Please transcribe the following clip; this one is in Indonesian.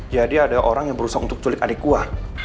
jadi ada orang yang berusaha untuk culik adik gue